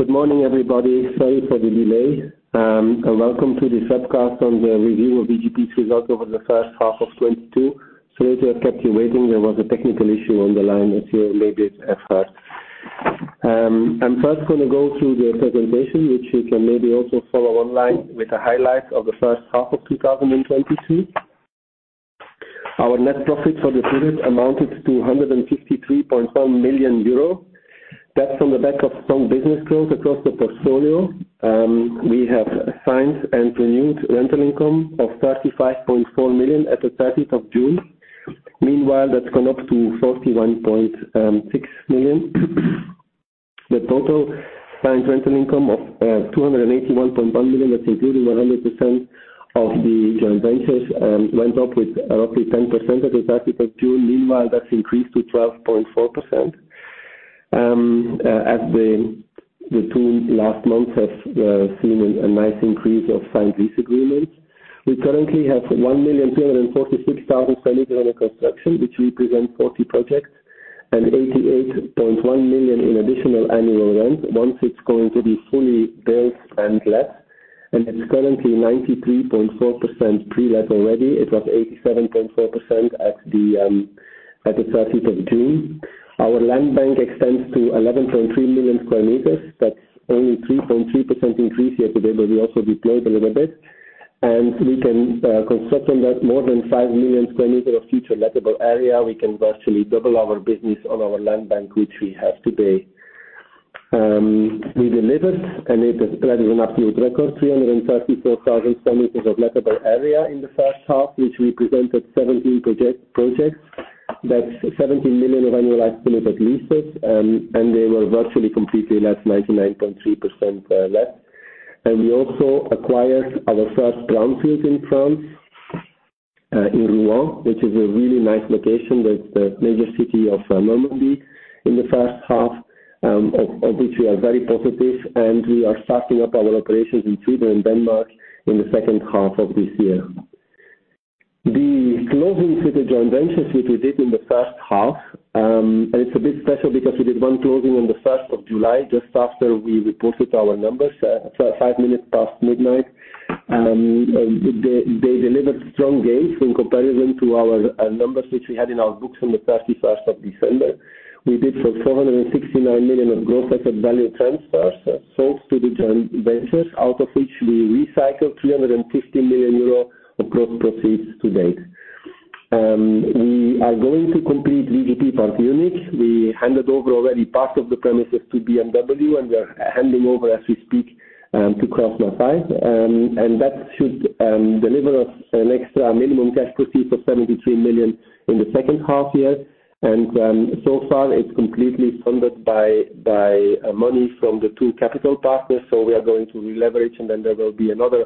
Good morning, everybody. Sorry for the delay. Welcome to this webcast on the review of VGP's results over the first half of 2022. Sorry to have kept you waiting. There was a technical issue on the line as you may have heard. I'm first gonna go through the presentation, which you can maybe also follow online with the highlights of the first half of 2022. Our net profit for the period amounted to 153.4 million euro. That's on the back of strong business growth across the portfolio. We have signed and renewed rental income of 35.4 million at the thirtieth of June. Meanwhile, that's gone up to 41.6 million. The total signed rental income of 281.1 million, that's including 100% of the joint ventures, went up with roughly 10% at the thirtieth of June. Meanwhile, that's increased to 12.4%. As the two last months have seen a nice increase of signed lease agreements. We currently have 1,246,000 square meters under construction, which represents 40 projects and 88.1 million in additional annual rent. Once it's going to be fully built and let, and it's currently 93.4% pre-let already. It was 87.4% at the thirtieth of June. Our land bank extends to 11.3 million square meters. That's only 3.3% increase year-to-date, but we also deployed a little bit. We can construct on that more than 5 million square meters of future lettable area. We can virtually double our business on our land bank, which we have today. We delivered an absolute record, 334,000 square meters of lettable area in the first half, which represented 17 projects. That's 17 million of annualized rents. And they were virtually completely let 99.3%. We also acquired our first greenfields in France, in Rouen, which is a really nice location. That's the major city of Normandy in the first half, of which we are very positive, and we are starting up our operations in Taulov in Denmark in the second half of this year. The closing of the joint ventures, which we did in the first half, it's a bit special because we did one closing on the 1st of July, just after we reported our numbers, five minutes past midnight. They delivered strong gains in comparison to our numbers which we had in our books on the 31st of December. We did 469 million of gross asset value transfers sold to the joint ventures, out of which we recycled 350 million euro of gross proceeds to date. We are going to complete VGP Park Munich. We handed over already part of the premises to BMW, and we are handing over as we speak to KraussMaffei. That should deliver us an extra minimum cash proceed for 73 million in the second half year. So far it's completely funded by money from the two capital partners, so we are going to re-leverage, and then there will be another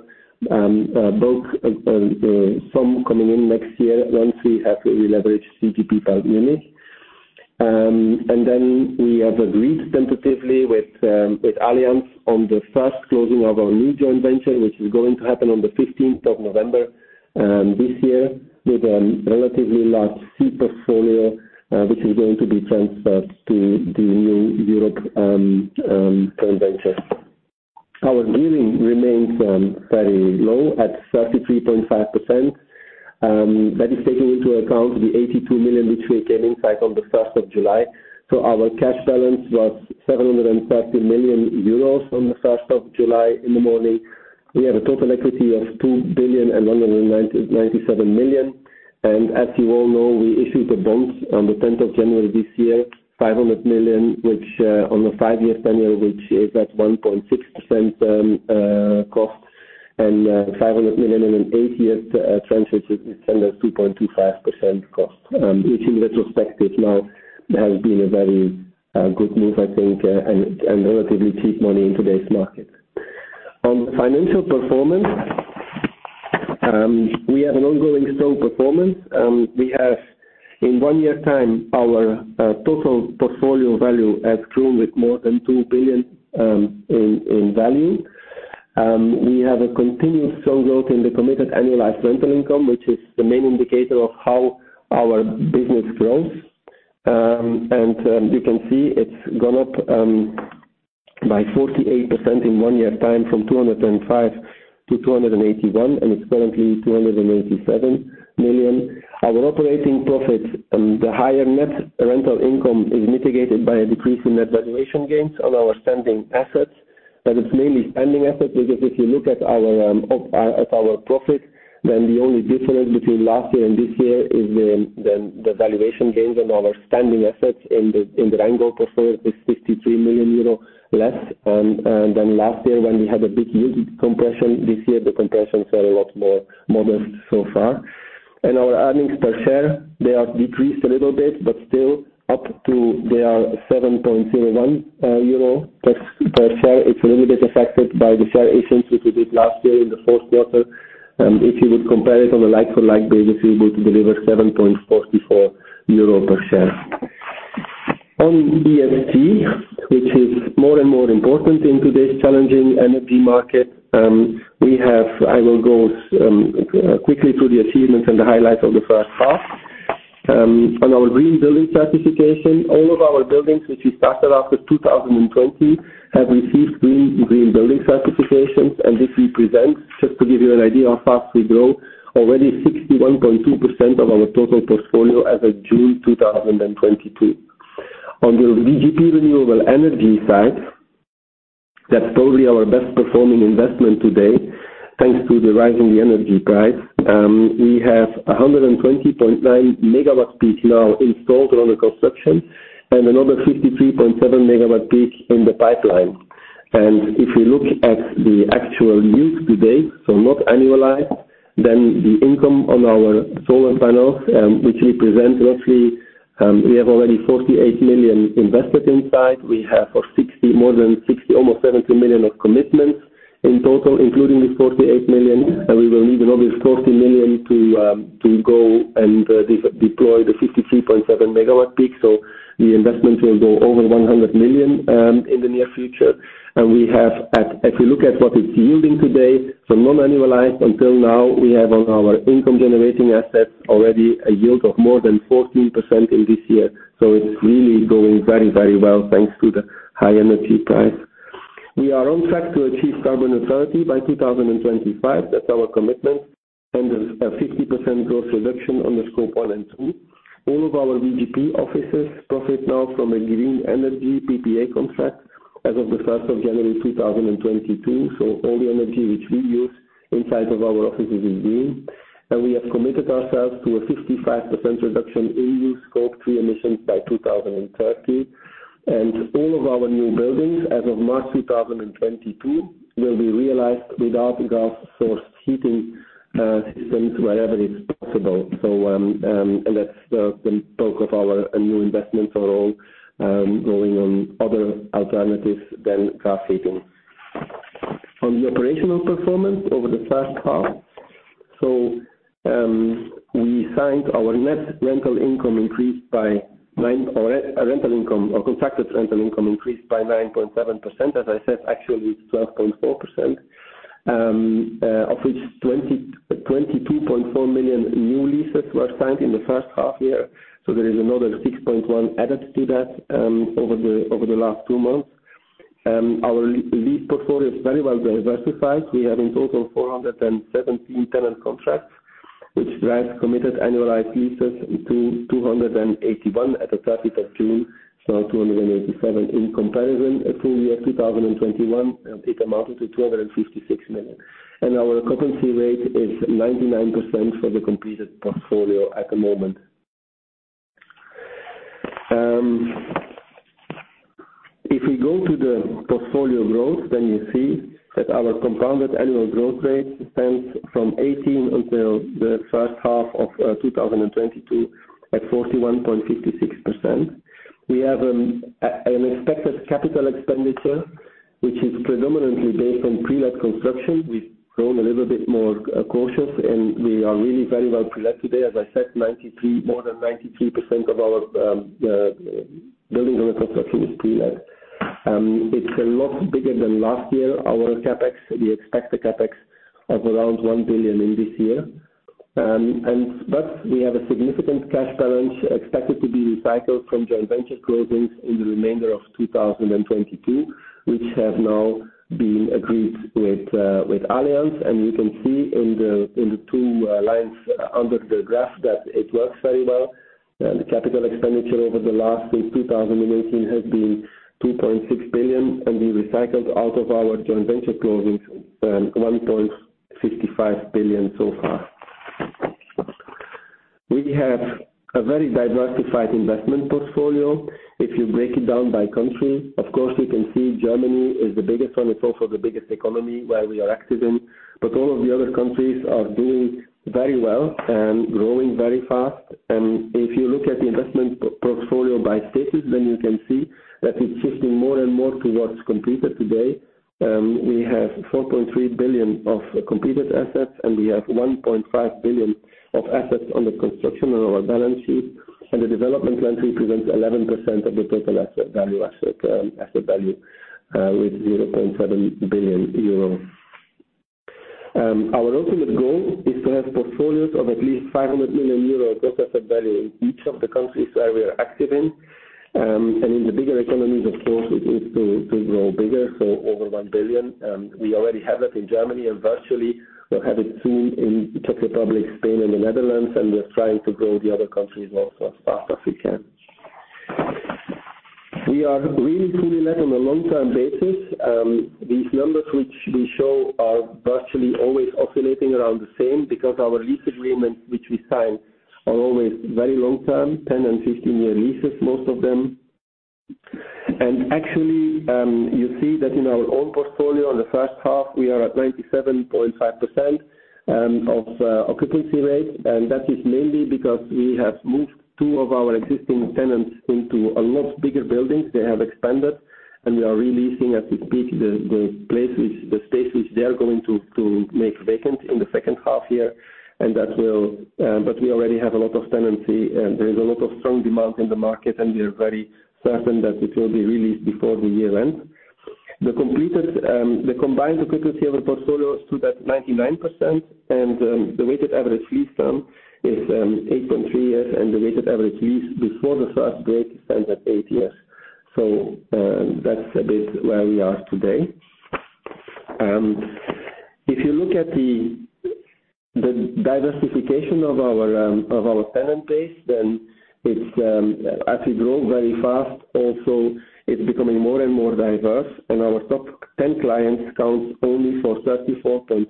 bulk of sum coming in next year once we have re-leveraged VGP Park Munich. We have agreed tentatively with Allianz on the first closing of our new joint venture, which is going to happen on the fifteenth of November this year with a relatively large seed portfolio, which is going to be transferred to the new European joint venture. Our gearing remains very low at 33.5%. That is taking into account the 82 million which we gave inside on the first of July. Our cash balance was 730 million euros on the first of July in the morning. We have a total equity of 2.197 billion. As you all know, we issued the bonds on the 10th of January this year, 500 million, which on the five-year tenor, which is at 1.6% cost and 500 million in an eight-year tenor at 2.25% cost. Which in retrospect now has been a very good move I think and relatively cheap money in today's market. On the financial performance, we have an ongoing strong performance. We have in one year time our total portfolio value has grown with more than 2 billion in value. We have a continuous strong growth in the committed annualized rental income, which is the main indicator of how our business grows. You can see it's gone up by 48% in one year time from 205 to 281, and it's currently 287 million. Our operating profits and the higher net rental income is mitigated by a decrease in net valuation gains on our standing assets. It's mainly standing assets because if you look up at our profit, then the only difference between last year and this year is the valuation gains on our standing assets in the own portfolio is 63 million euro less than last year when we had a big yield compression. This year the compressions are a lot more modest so far. Our earnings per share, they have decreased a little bit, but still up to they are 7.01 euro per share. It's a little bit affected by the share issuance which we did last year in the fourth quarter. If you would compare it on a like-for-like basis, we would deliver 7.44 euro per share. On ESG, which is more and more important in today's challenging ESG market, we have. I will go quickly through the achievements and the highlights of the first half. On our green building certification, all of our buildings, which we started after 2020, have received green building certifications. This represents, just to give you an idea how fast we grow, already 61.2% of our total portfolio as of June 2022. On the VGP Renewable Energy side, that's probably our best performing investment today, thanks to the rising energy price. We have 120.9 megawatt peak now installed on the construction and another 53.7 megawatt peak in the pipeline. If you look at the actual use today, so not annualized, then the income on our solar panels, which represent roughly, we have already 48 million invested inside. We have over 60, more than 60, almost 70 million of commitments in total, including this 48 million. We will need another 40 million to go and deploy the 53.7 megawatt peak. The investment will go over 100 million in the near future. We have, if you look at what it's yielding today, so not annualized, until now, we have on our income generating assets already a yield of more than 14% in this year. It's really going very, very well, thanks to the high energy price. We are on track to achieve carbon neutrality by 2025. That's our commitment. A 50% growth reduction on the Scope 1 and 2. All of our VGP offices profit now from a green energy PPA contract as of January 1, 2022. All the energy which we use inside of our offices is green. We have committed ourselves to a 55% reduction EU Scope three emissions by 2030. All of our new buildings as of March 2022 will be realized without gas source heating systems wherever it's possible. That's the bulk of our new investments are all going on other alternatives than gas heating. On the operational performance over the first half. Our rental income or contracted rental income increased by 9.7%. As I said, actually it's 12.4%. Of which 22.4 million new leases were signed in the first half year. There is another 6.1 million added to that over the last two months. Our lease portfolio is very well diversified. We have in total 417 tenant contracts, which drives committed annualized leases to 281 at the 30th of June. 287 in comparison to year 2021, it amounted to 256 million. Our occupancy rate is 99% for the completed portfolio at the moment. If we go to the portfolio growth, then you see that our compounded annual growth rate stands from 2018 until the first half of 2022 at 41.56%. We have an expected capital expenditure, which is predominantly based on pre-let construction. We've grown a little bit more cautious, and we are really very well pre-let today. As I said, more than 93% of our buildings under construction is pre-let. It's a lot bigger than last year. Our CapEx, we expect a CapEx of around 1 billion in this year. We have a significant cash balance expected to be recycled from joint venture closings in the remainder of 2022, which have now been agreed with Allianz. You can see in the two lines under the graph that it works very well. The capital expenditure over the last since 2018 has been 2.6 billion, and we recycled out of our joint venture closings 1.55 billion so far. We have a very diversified investment portfolio. If you break it down by country, of course, you can see Germany is the biggest one. It's also the biggest economy where we are active in. All of the other countries are doing very well and growing very fast. If you look at the investment portfolio by status, then you can see that it's shifting more and more towards completed today. We have 4.3 billion of completed assets, and we have 1.5 billion of assets under construction on our balance sheet. The development plan represents 11% of the total asset value with 0.7 billion euro. Our ultimate goal is to have portfolios of at least 500 million euro total asset value in each of the countries where we are active in. In the bigger economies, of course, it is to grow bigger, so over 1 billion. We already have that in Germany, and virtually we'll have it soon in Czech Republic, Spain and the Netherlands. We're trying to grow the other countries also as fast as we can. We are really pre-let on a long-term basis. These numbers which we show are virtually always oscillating around the same because our lease agreements, which we sign, are always very long-term, 10- and 15-year leases, most of them. Actually, you see that in our own portfolio in the first half, we are at 97.5% of occupancy rate. That is mainly because we have moved two of our existing tenants into a lot bigger buildings. They have expanded, and we are re-leasing at this peak the space which they are going to make vacant in the second half here. That will, but we already have a lot of tenancy, and there is a lot of strong demand in the market, and we are very certain that it will be re-leased before the year ends. The committed occupancy of our portfolio stood at 99%, and the weighted average lease term is 8.3 years, so that's a bit where we are today. If you look at the diversification of our tenant base, then it's, as we grow very fast also it's becoming more and more diverse. Our top 10 clients count only for 34.3%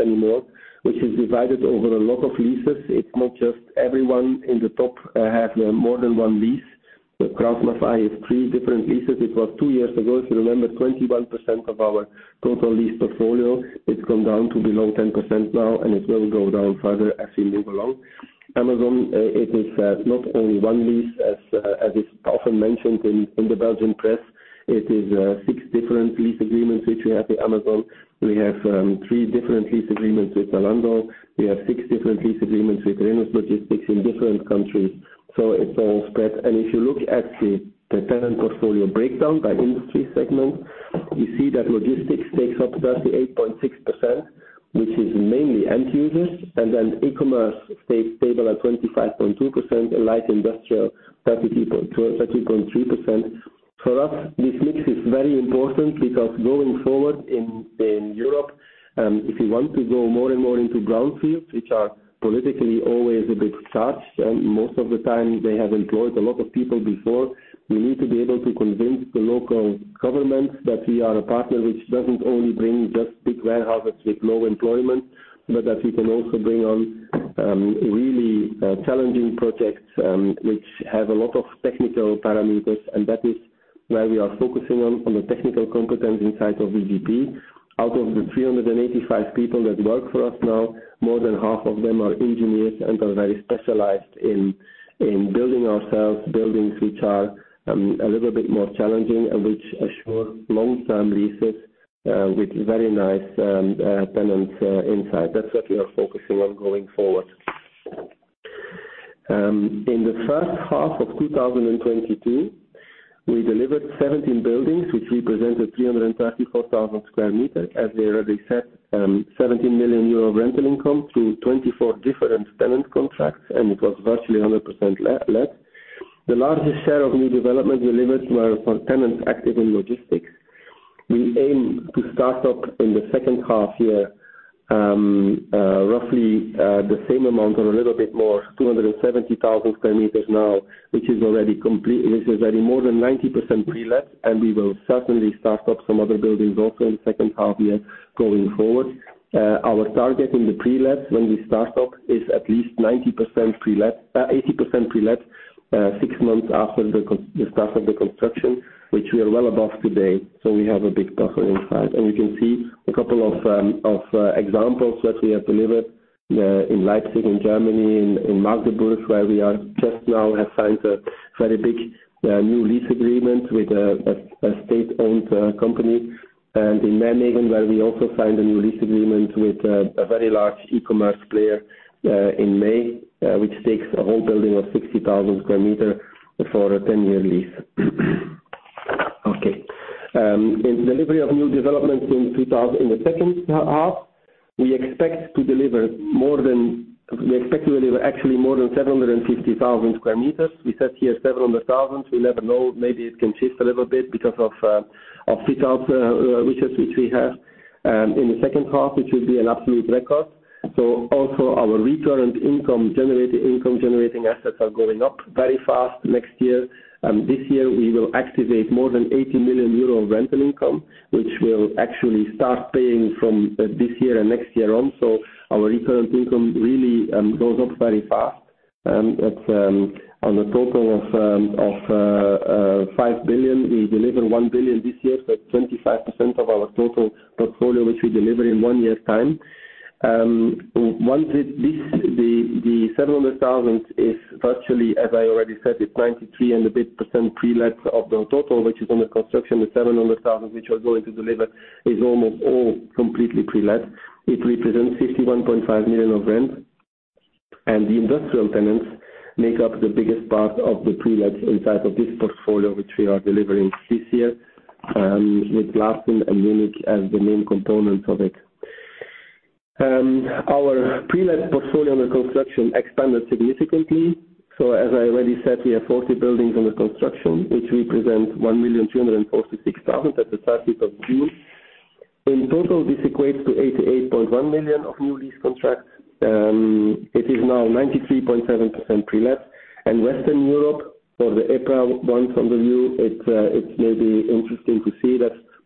anymore, which is divided over a lot of leases. It's not just everyone in the top have more than one lease. With Crowdify, it's three different leases. It was two years ago, if you remember, 21% of our total lease portfolio. It's come down to below 10% now, and it will go down further as we move along. Amazon, it is not only one lease as is often mentioned in the Belgian press. It is six different lease agreements which we have with Amazon. We have three different lease agreements with Zalando. We have six different lease agreements with Rhenus Logistics in different countries. It's all spread. If you look at the tenant portfolio breakdown by industry segment, you see that logistics takes up 38.6%, which is mainly end users. E-commerce stays stable at 25.2%, and light industrial 30.3%. For us, this mix is very important because going forward in Europe, if you want to go more and more into brownfields, which are politically always a bit touched, and most of the time they have employed a lot of people before. We need to be able to convince the local governments that we are a partner which doesn't only bring just big warehouses with low employment, but that we can also bring on really challenging projects, which have a lot of technical parameters, and that is where we are focusing on the technical competence inside of VGP. Out of the 385 people that work for us now, more than half of them are engineers and are very specialized in building our own buildings which are a little bit more challenging and which assure long-term leases with very nice tenants inside. That's what we are focusing on going forward. In the first half of 2022, we delivered 17 buildings, which represented 334,000 square meters. As we already said, 17 million euro rental income through 24 different tenant contracts, and it was virtually 100% let. The largest share of new development we delivered were for tenants active in logistics. We aim to start up in the second half year, roughly, the same amount or a little bit more, 270,000 square meters now, which is already complete, which is already more than 90% pre-let, and we will certainly start up some other buildings also in second half year going forward. Our target in the pre-let when we start up is at least 90% pre-let, eighty percent pre-let, six months after the start of the construction, which we are well above today, so we have a big buffer inside. We can see a couple of examples that we have delivered in Leipzig, in Germany, in Magdeburg, where we have just now signed a very big new lease agreement with a state-owned company, and in Mannheim, where we also signed a new lease agreement with a very large e-commerce player in May, which takes a whole building of 60,000 square meters for a 10-year lease. Okay. In delivery of new developments in the second half, we expect to deliver actually more than 750,000 square meters. We said here 700,000. We never know, maybe it can shift a little bit because of fit out, which we have in the second half, which will be an absolute record. Also our return income generating income generating assets are going up very fast next year. This year we will activate more than 80 million euro rental income, which will actually start paying from this year and next year on. Our return income really goes up very fast. At on the total of 5 billion, we deliver 1 billion this year, so 25% of our total portfolio, which we deliver in one year's time. Once this the seven hundred thousand is virtually, as I already said, it's 93 and a bit % pre-let of the total, which is under construction. The 700,000 which we are going to deliver is almost all completely pre-let. It represents 51.5 million of rent. The industrial tenants make up the biggest part of the pre-let inside of this portfolio, which we are delivering this year, with Gießen and Munich as the main components of it. Our pre-let portfolio under construction expanded significantly. As I already said, we have 40 buildings under construction, which represent 1,246,000 at the 30th of June. In total, this equates to 88.1 million of new lease contracts. It is now 93.7% pre-let. Western Europe or the EPRA one from the view, it may be interesting to see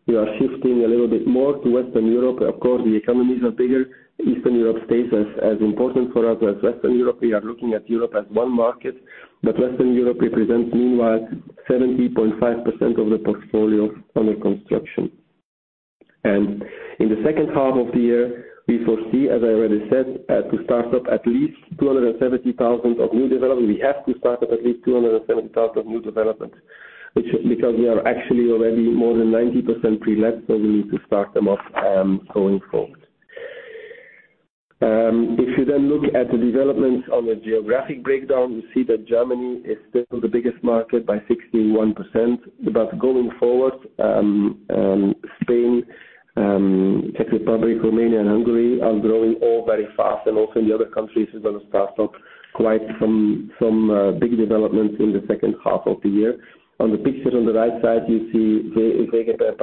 that we are shifting a little bit more to Western Europe. Of course, the economies are bigger. Eastern Europe stays as important for us as Western Europe. We are looking at Europe as one market, but Western Europe represents meanwhile 70.5% of the portfolio under construction. In the second half of the year, we foresee, as I already said, to start up at least 270,000 of new development. We have to start up at least 270,000 of new development, which, because we are actually already more than 90% pre-let, so we need to start them off, going forward. If you then look at the developments on the geographic breakdown, you see that Germany is still the biggest market by 61%. Going forward, Spain, Czech Republic, Romania and Hungary are growing all very fast. Also in the other countries, we're going to start up quite some big developments in the second half of the year. On the picture on the right side, you see, which is a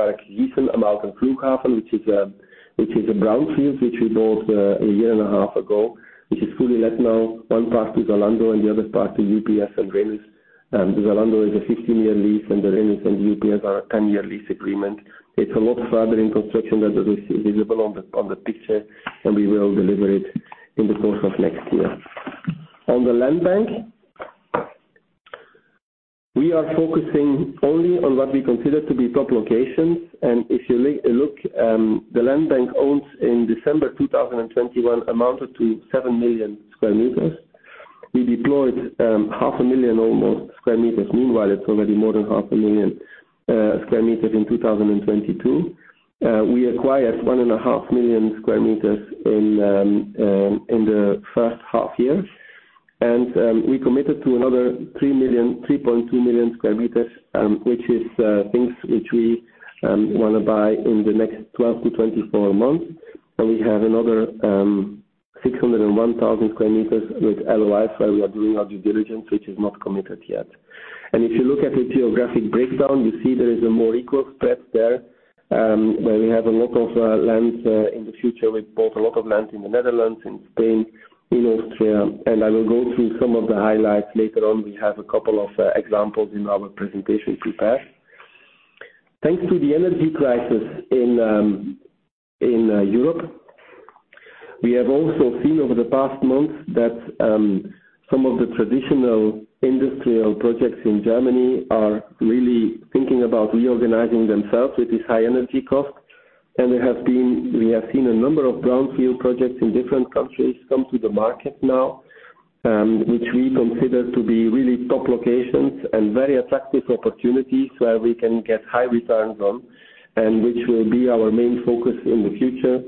brownfield which we bought a year and a half ago. Which is fully let now, one part to Zalando and the other part to UPS and Rhenus. Zalando is a 15-year lease, and the Rhenus and UPS are a 10-year lease agreement. It's a lot further in construction than what is visible on the picture, and we will deliver it in the course of next year. On the land bank, we are focusing only on what we consider to be top locations. If you look, the land bank we own as of December 2021 amounted to 7 million square meters. We deployed half a million or more square meters. Meanwhile it's already more than half a million square meters in 2022. We acquired 1.5 million square meters in the first half year. We committed to another 3 million, 3.2 million square meters, which is things which we wanna buy in the next 12-24 months. We have another 601,000 square meters with LOIs, where we are doing our due diligence, which is not committed yet. If you look at the geographic breakdown, you see there is a more equal spread there, where we have a lot of lands in the future. We bought a lot of land in the Netherlands, in Spain, in Austria, and I will go through some of the highlights later on. We have a couple of examples in our presentation prepared. Thanks to the energy crisis in Europe, we have also seen over the past months that some of the traditional industrial projects in Germany are really thinking about reorganizing themselves with this high energy cost. We have seen a number of brownfield projects in different countries come to the market now, which we consider to be really top locations, and very attractive opportunities where we can get high returns on, and which will be our main focus in the future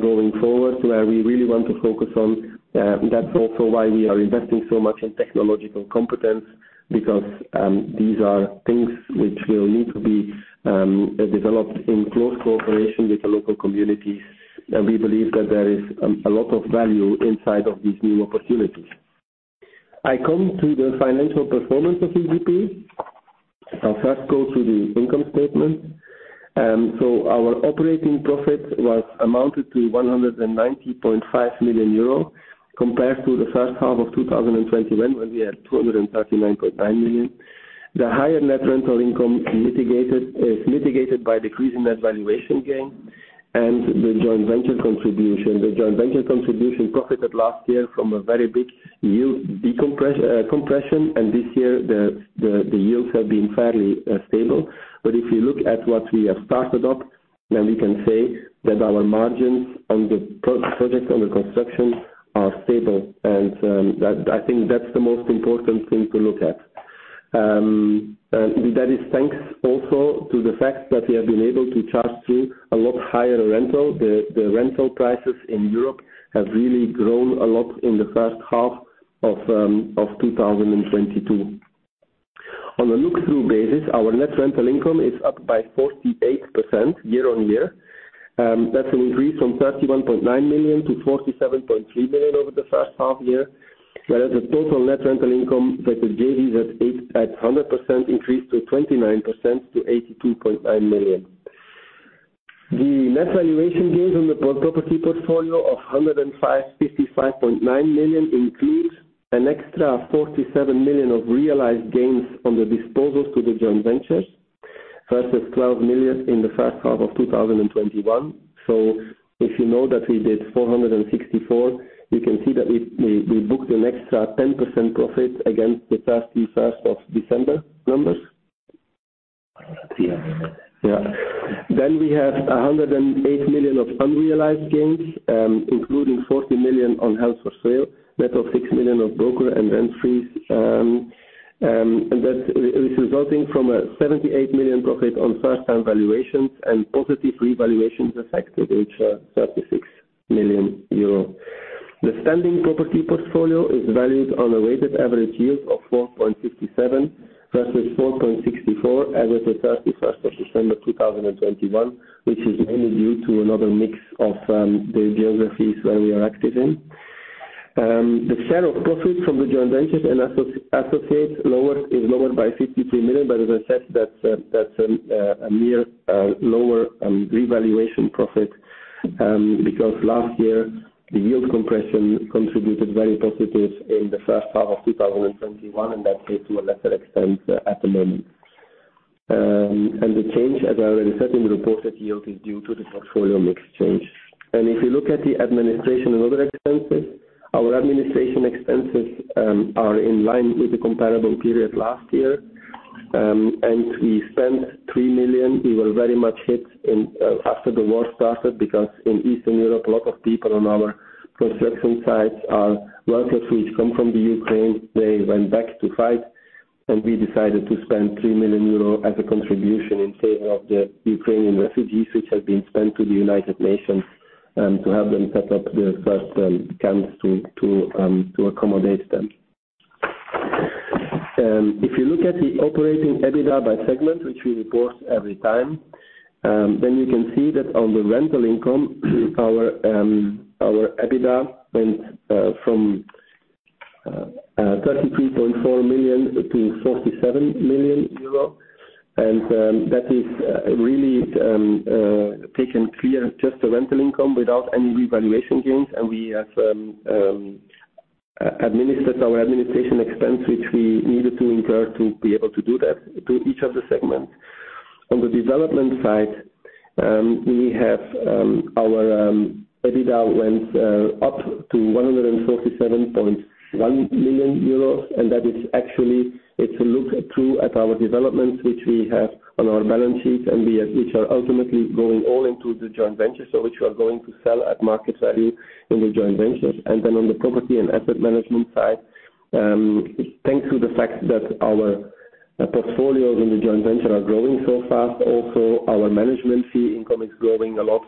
going forward. Where we really want to focus on, that's also why we are investing so much in technological competence, because these are things which will need to be developed in close cooperation with the local communities. We believe that there is a lot of value inside of these new opportunities. I come to the financial performance of VGP. I'll first go through the income statement. Our operating profit amounted to 190.5 million euro, compared to the first half of 2021, where we had 239.9 million. The higher net rental income is mitigated by decreasing net valuation gain and the joint venture contribution. The joint venture contribution profited last year from a very big yield compression, and this year the yields have been fairly stable. If you look at what we have started up, then we can say that our margins on the projects under construction are stable. I think that's the most important thing to look at. That is thanks also to the fact that we have been able to charge through a lot higher rental. The rental prices in Europe have really grown a lot in the first half of 2022. On a look-through basis, our net rental income is up by 48% year-on-year. That's an increase from 31.9 million to 47.3 million over the first half year. The total net rental income that we gave you at 100% increased 29% to 82.9 million. The net valuation gains on the property portfolio of 105.9 million includes an extra 47 million of realized gains from the disposals to the joint ventures, versus 12 million in the first half of 2021. If you know that we did 464 million, you can see that we booked an extra 10% profit against the December 31 numbers. Yeah. Yeah, we have 108 million of unrealized gains, including 40 million on held for sale, net of 6 million of broker and rent fees. And that is resulting from a 78 million profit on first-time valuations, and positive revaluations affected, which are 36 million euro. The standing property portfolio is valued on a weighted average yield of 4.57% versus 4.64% as at 31 December 2021. Which is mainly due to another mix of the geographies where we are active in. The share of profit from the joint ventures and associates lower is lower by 53 million, but as I said, that's a mere lower revaluation profit. Because last year the yield compression contributed very positive in the first half of 2021, and that's led to a lesser extent at the moment. The change, as I already said, in the reported yield is due to the portfolio mix change. If you look at the administration and other expenses, our administration expenses are in line with the comparable period last year. We spent 3 million. We were very much hit after the war started, because in Eastern Europe, a lot of people on our construction sites are workers which come from Ukraine. They went back to fight. We decided to spend 3 million euro as a contribution in favor of the Ukrainian refugees, which have been spent to the United Nations, to have them set up their first camps to accommodate them. If you look at the operating EBITDA by segment, which we report every time, then you can see that on the rental income, our EBITDA went from 33.4 million to 47 million euro and that is really the clean just the rental income without any revaluation gains. We have administered our administration expense, which we needed to incur to be able to do that to each of the segments. On the development side, we have our EBITDA went up to 147.1 million euros, and that is actually, it looks at two of our developments, which we have on our balance sheet, and which are ultimately going all into the joint ventures, so which we are going to sell at market value in the joint ventures. Then on the property and asset management side, thanks to the fact that our portfolios in the joint venture are growing so fast, also our management fee income is growing a lot.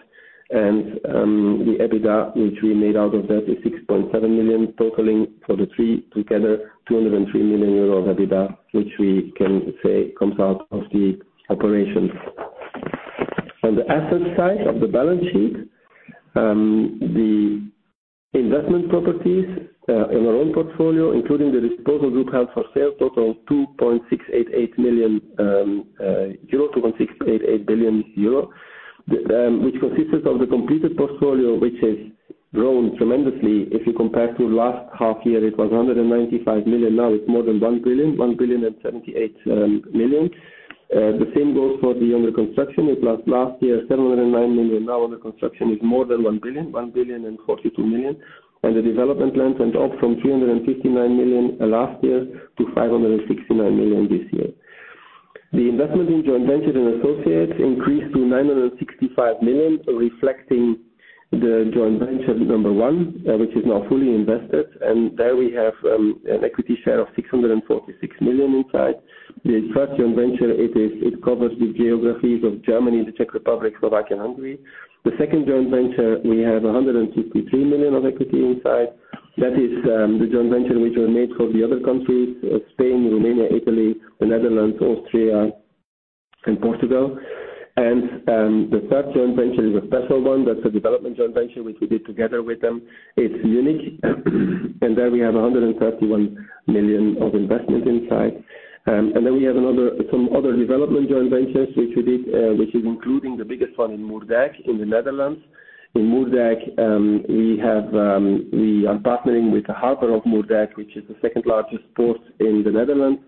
The EBITDA, which we made out of that, is 6.7 million, totaling for the three together, 203 million euro of EBITDA, which we can say comes out of the operations. On the asset side of the balance sheet, the investment properties in our own portfolio, including the disposal group held for sale, total 2.688 billion euro, which consisted of the completed portfolio, which has grown tremendously. If you compare to last half year, it was 195 million, now it's more than 1 billion, 1.078 billion. The same goes for the under construction. It was last year, 709 million, now under construction is more than 1 billion, 1.042 billion. The development plans went up from 359 million last year to 569 million this year. The investment in joint ventures and associates increased to 965 million, reflecting the joint venture number one, which is now fully invested. There we have an equity share of 646 million inside. The first joint venture covers the geographies of Germany, the Czech Republic, Slovakia, and Hungary. The second joint venture, we have 163 million of equity inside. That is the joint venture which we made for the other countries, Spain, Romania, Italy, the Netherlands, Austria, and Portugal. The third joint venture is a special one. That's a development joint venture which we did together with them. It's unique. There we have 131 million of investment inside. We have some other development joint ventures which include the biggest one in Moerdijk in the Netherlands. In Moerdijk, we are partnering with the Port of Moerdijk, which is the second-largest port in the Netherlands,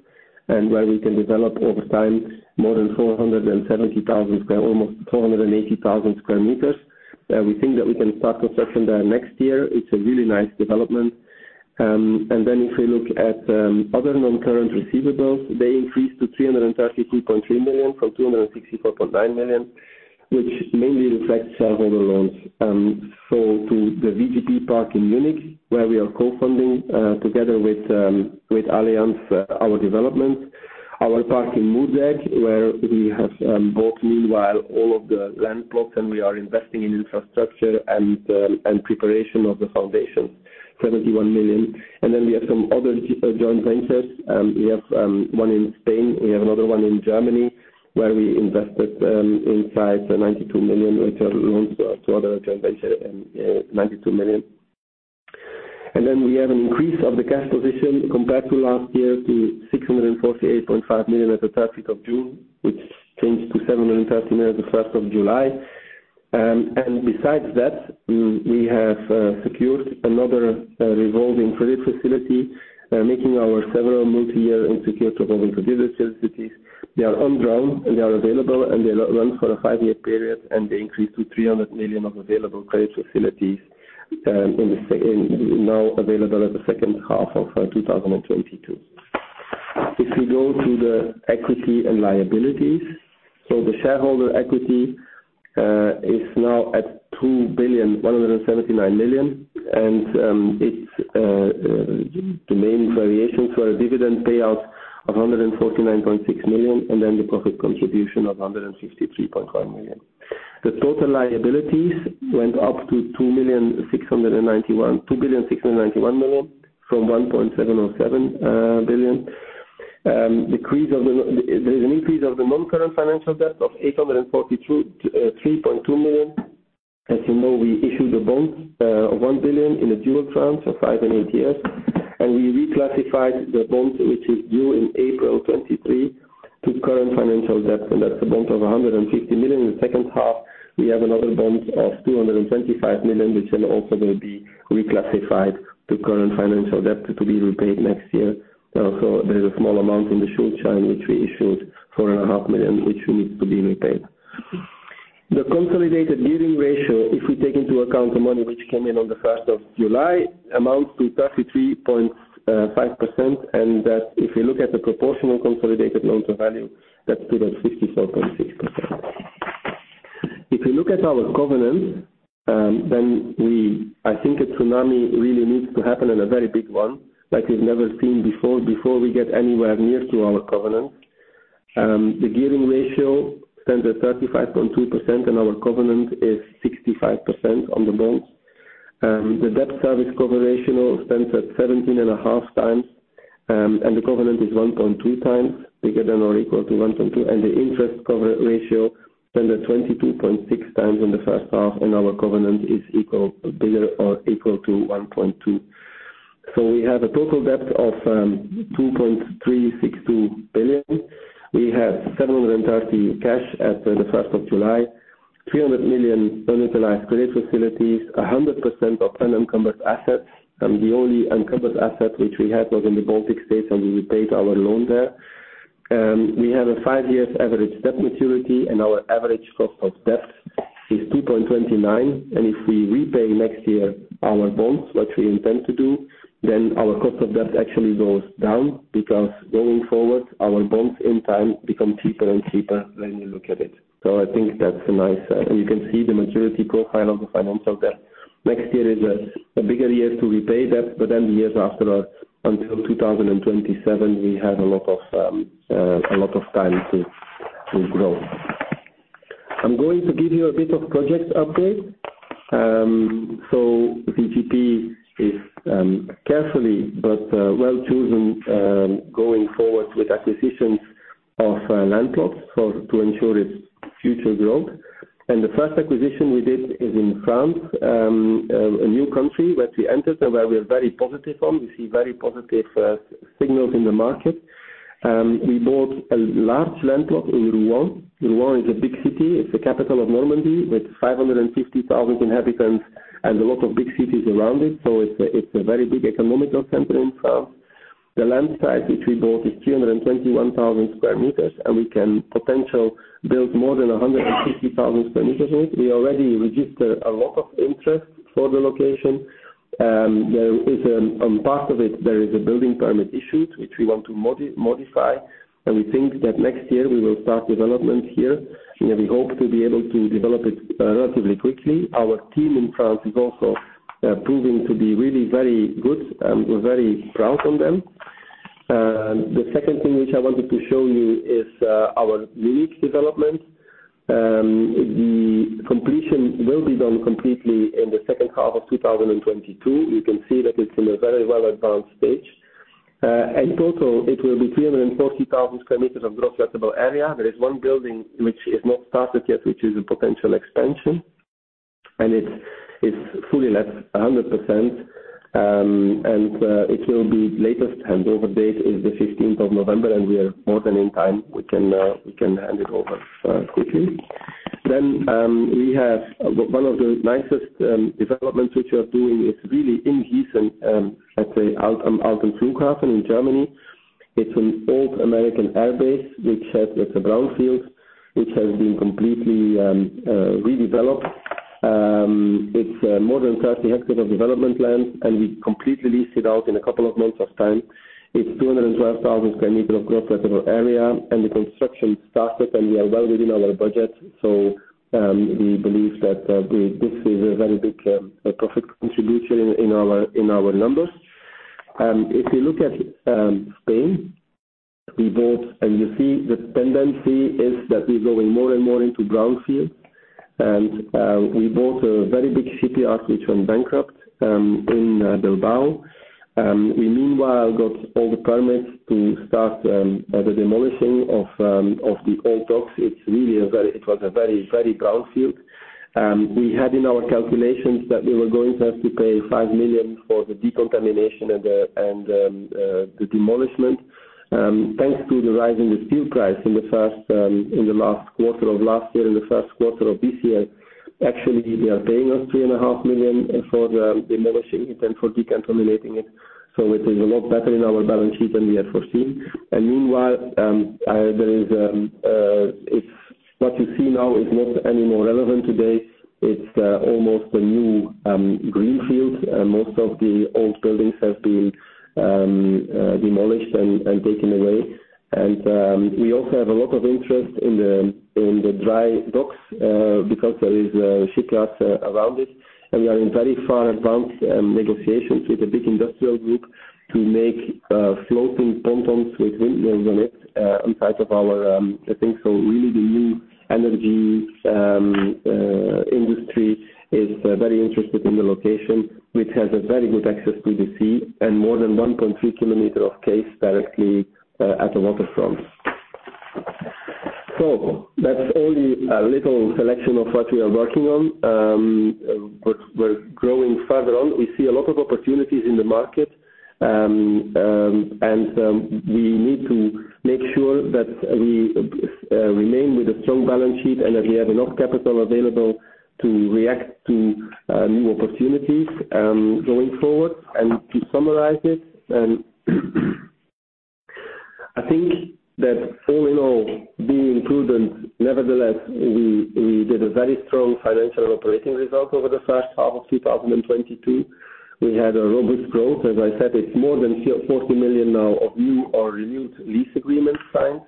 and where we can develop over time more than 470,000 sq m, almost 480,000 sq m. We think that we can start construction there next year. It's a really nice development. If we look at other non-current receivables, they increased to 332.3 million from 264.9 million, which mainly reflects our other loans. To the VGP Park Munich, where we are co-funding together with Allianz, our development. Our park in Moerdijk, where we have bought meanwhile all of the land plots, and we are investing in infrastructure and preparation of the foundation, 71 million. We have some other joint ventures. We have one in Spain. We have another one in Germany, where we invested in size 92 million with other loans to other joint venture and 92 million. We have an increase of the cash position compared to last year to 648.5 million at the thirtieth of June, which changed to 730 million the first of July. We have secured another revolving credit facility, making our several multi-year unsecured revolving credit facilities. They are on ground, and they are available, and they run for a five-year period, and they increase to 300 million of available credit facilities, now available at the second half of 2022. If we go to the equity and liabilities, so the shareholder equity is now at 2.179 billion. The main variations were a dividend payout of 149.6 million, and then the profit contribution of 163.5 million. The total liabilities went up to 2.691 billion from 1.707 billion. There's an increase of the non-current financial debt of 842.3 million. As you know, we issued a bond of 1 billion in a dual tranche of 5 and 8 years. We reclassified the bond, which is due in April 2023, to current financial debt, and that's a bond of 150 million. In the second half, we have another bond of 225 million, which then also will be reclassified to current financial debt to be repaid next year. Also, there's a small amount in the short term, which we issued, 4.5 million, which needs to be repaid. The consolidated gearing ratio, if we take into account the money which came in on the first of July, amounts to 33.5%, and if you look at the proportional consolidated loan to value, that's still at 57.6%. If you look at our covenant, I think a tsunami really needs to happen and a very big one like we've never seen before we get anywhere near to our covenant. The gearing ratio stands at 35.2%, and our covenant is 65% on the bonds. The debt service cover ratio stands at 17.5 times, and the covenant is 1.2 times greater than or equal to 1.2. The interest cover ratio stands at 22.6 times in the first half, and our covenant is greater than or equal to 1.2. We have a total debt of 2.362 billion. We have 730 million cash as at 1 July, 300 million unutilized credit facilities, 100% of unencumbered assets. The only unencumbered asset which we had was in the Baltic States, and we repaid our loan there. We have a five years average debt maturity and our average cost of debt is 2.29%. If we repay next year our bonds, which we intend to do, then our cost of debt actually goes down because going forward, our bonds in time become cheaper and cheaper when you look at it. I think that's a nice. You can see the maturity profile of the financial debt. Next year is a bigger year to repay debt, but then years after that until 2027, we have a lot of time to grow. I'm going to give you a bit of project update. VGP is carefully but well chosen going forward with acquisitions of land plots to ensure its future growth. The first acquisition we did is in France, a new country which we entered and where we are very positive on. We see very positive signals in the market. We bought a large land plot in Rouen. Rouen is a big city. It's the capital of Normandy with 550,000 inhabitants and a lot of big cities around it. It's a very big economic center in France. The land size which we bought is 321,000 square meters, and we can potentially build more than 150,000 square meters here. We already registered a lot of interest for the location. There is part of it a building permit issued which we want to modify, and we think that next year we will start development here. Yeah, we hope to be able to develop it relatively quickly. Our team in France is also proving to be really very good, and we're very proud on them. The second thing which I wanted to show you is our Munich development. The completion will be done completely in the second half of 2022. You can see that it's in a very well advanced stage. In total, it will be 340,000 square meters of gross lettable area. There is one building which is not started yet, which is a potential expansion, and it's fully let 100%. The latest handover date is the fifteenth of November, and we are more than in time. We can hand it over quickly. We have one of the nicest developments which we are doing is really in Gießen at the Alten Flughafen in Germany. It's an old American air base which has. It's a brownfield which has been completely redeveloped. It's more than 30 hectares of development land, and we completely leased it out in a couple of months of time. It's 212,000 square meters of gross lettable area, and the construction started, and we are well within our budget. We believe that this is a very big profit contribution in our numbers. If you look at Spain, we bought. You see the tendency is that we're going more and more into brownfield. We bought a very big shipyard which went bankrupt in Bilbao. We meanwhile got all the permits to start the demolishing of the old docks. It's really a very brownfield. It was a very, very brownfield. We had in our calculations that we were going to have to pay 5 million for the decontamination and the demolishment. Thanks to the rise in the steel price in the last quarter of last year and the first quarter of this year, actually they are paying us 3.5 million for the demolishing it and for decontaminating it. It is a lot better in our balance sheet than we had foreseen. Meanwhile, what you see now is not any more relevant today. It's almost a new greenfield. Most of the old buildings have been demolished and taken away. We also have a lot of interest in the dry docks because there is shipyards around it. We are in very far advanced negotiations with a big industrial group to make floating pontoons with windmills on it on top of our I think. Really the new energy industry is very interested in the location, which has a very good access to the sea and more than 1.3 kilometers of quays directly at the waterfront. That's only a little selection of what we are working on. We're growing further on. We see a lot of opportunities in the market and we need to make sure that we remain with a strong balance sheet and that we have enough capital available to react to new opportunities going forward. To summarize it, I think that all in all being prudent, nevertheless, we did a very strong financial operating result over the first half of 2022. We had a robust growth. As I said, it's more than 40 million now of new or renewed lease agreements signed.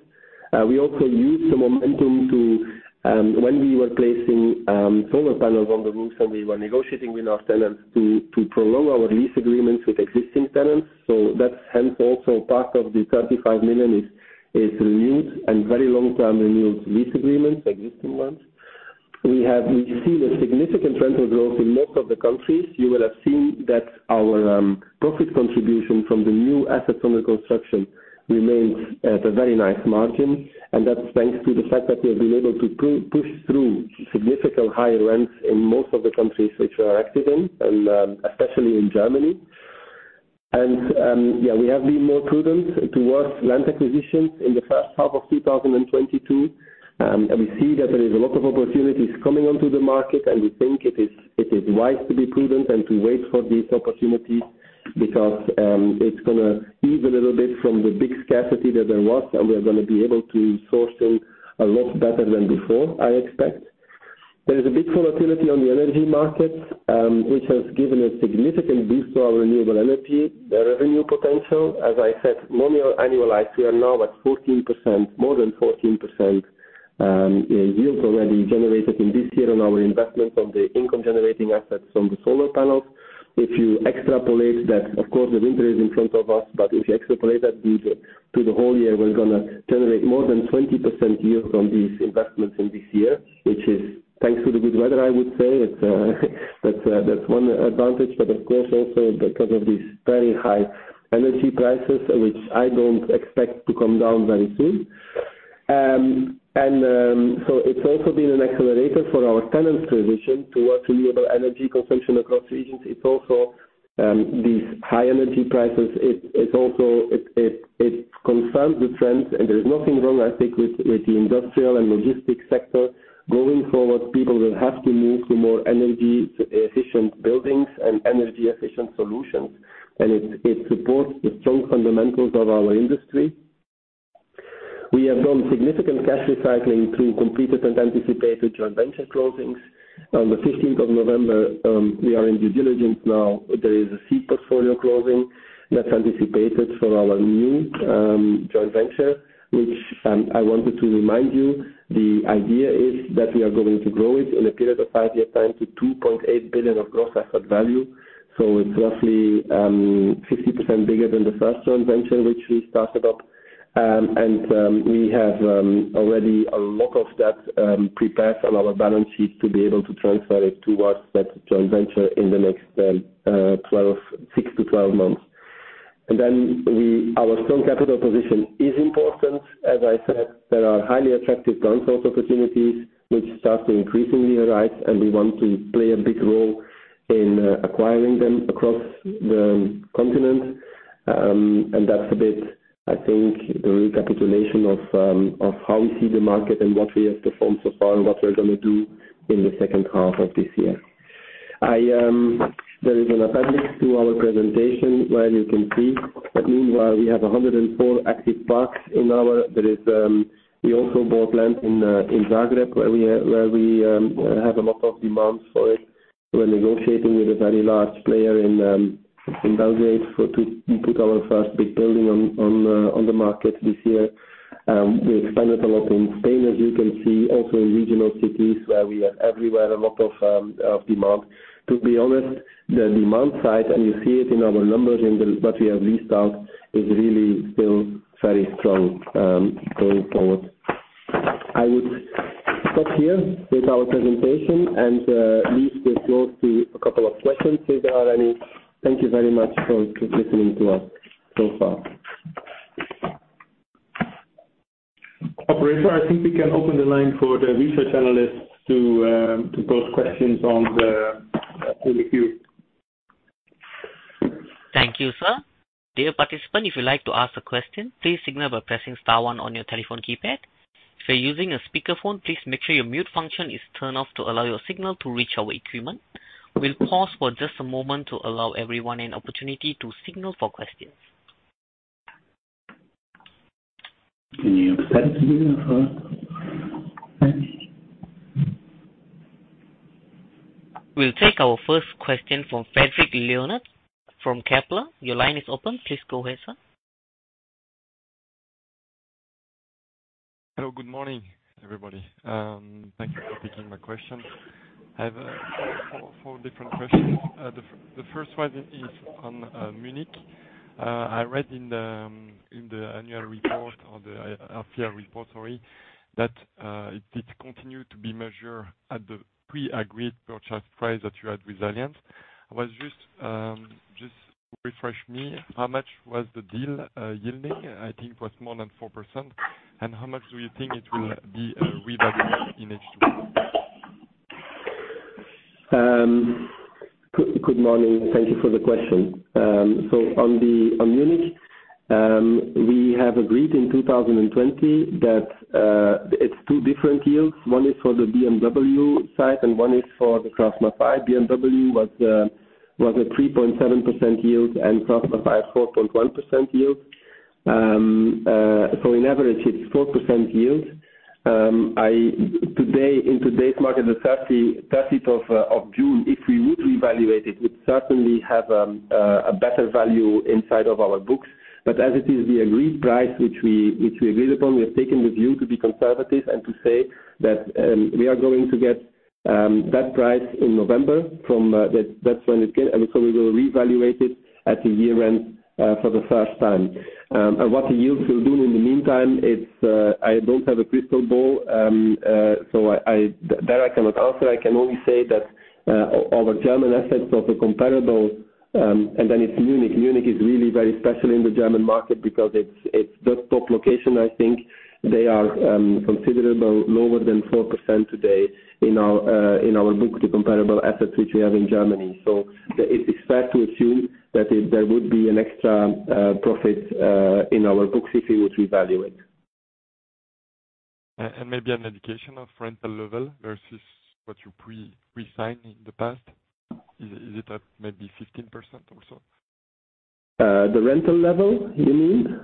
We also used the momentum to, when we were placing, solar panels on the roofs and we were negotiating with our tenants to prolong our lease agreements with existing tenants. So that's hence also part of the 35 million is renewed and very long-term renewed lease agreements, existing ones. We've seen a significant rental growth in most of the countries. You will have seen that our profit contribution from the new assets under construction remains at a very nice margin, and that's thanks to the fact that we have been able to push through significant higher rents in most of the countries which we are active in and especially in Germany. Yeah, we have been more prudent towards land acquisitions in the first half of 2022. We see that there is a lot of opportunities coming onto the market, and we think it is wise to be prudent and to wait for these opportunities because it's gonna ease a little bit from the big scarcity that there was, and we are gonna be able to source in a lot better than before, I expect. There is a big volatility on the energy market, which has given a significant boost to our renewable energy, the revenue potential. As I said, run-rate annualized, we are now at 14%, more than 14%, yields already generated in this year on our investments on the income generating assets from the solar panels. If you extrapolate that, of course the winter is in front of us, but if you extrapolate that through the whole year, we're gonna generate more than 20% yield from these investments in this year, which is thanks to the good weather, I would say. That's one advantage. Of course also because of these very high energy prices, which I don't expect to come down very soon. It's also been an accelerator for our tenants transition towards renewable energy consumption across regions. It's also these high energy prices. It confirms the trends and there is nothing wrong I think with the industrial and logistics sector. Going forward, people will have to move to more energy efficient buildings and energy efficient solutions. It supports the strong fundamentals of our industry. We have done significant cash recycling through completed and anticipated joint venture closings. On the 15th of November, we are in due diligence now. There is a seed portfolio closing that's anticipated for our new joint venture, which I wanted to remind you, the idea is that we are going to grow it in a period of 5-year time to 2.8 billion of gross asset value. It's roughly 50% bigger than the first joint venture which we started up. We have already a lot of that prepared on our balance sheet to be able to transfer it towards that joint venture in the next 6-12 months. Our strong capital position is important. As I said, there are highly attractive downsource opportunities which start to increasingly arise and we want to play a big role in acquiring them across the continent. That's a bit, I think, a recapitulation of how we see the market and what we have performed so far and what we're gonna do in the second half of this year. There is an appendix to our presentation where you can see that meanwhile we have 104 active parks in our We also bought land in Zagreb where we have a lot of demands for it. We're negotiating with a very large player in Belgrade for to put our first big building on the market this year. We expanded a lot in Spain, as you can see, also in regional cities where we have everywhere a lot of demand. To be honest, the demand side, and you see it in our numbers, in what we have leased out, is really still very strong going forward. I would stop here with our presentation and leave the floor to a couple of questions if there are any. Thank you very much for listening to us so far. Operator, I think we can open the line for the research analysts to pose questions in the queue. Thank you, sir. Dear participant, if you'd like to ask a question, please signal by pressing star one on your telephone keypad. If you're using a speakerphone, please make sure your mute function is turned off to allow your signal to reach our equipment. We'll pause for just a moment to allow everyone an opportunity to signal for questions. Can you hear me? We'll take our first question from Frédéric Renard from Kepler. Your line is open. Please go ahead, sir. Hello, good morning, everybody. Thank you for taking my question. I have four different questions. The first one is on Munich. I read in the annual report or the EPRA report, sorry, that it did continue to be measured at the pre-agreed purchase price that you had with Allianz. I was just refresh me, how much was the deal yielding? I think it was more than 4%. How much do you think it will be revalued in H2? Good morning. Thank you for the question. So on Munich, we have agreed in 2020 that it's two different yields. One is for the BMW side and one is for the KraussMaffei. BMW was a 3.7% yield and KraussMaffei 4.1% yield. So on average it's 4% yield. Today, in today's market, the thirtieth of June, if we would reevaluate it, we'd certainly have a better value inside of our books. But as it is the agreed price which we agreed upon, we have taken the view to be conservative and to say that we are going to get that price in November from that's when it get. We will reevaluate it at the year end for the first time. What the yields will do in the meantime, it's I don't have a crystal ball. That I cannot answer. I can only say that our German assets are comparable, and then it's Munich. Munich is really very special in the German market because it's the top location, I think. They are considerably lower than 4% today in our book, the comparable assets which we have in Germany. It is fair to assume that there would be an extra profit in our books if we would reevaluate. Maybe an indication of rental level versus what you pre-leased in the past. Is it at maybe 15% or so? The rental level, you mean?